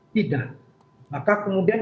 tidak maka kemudian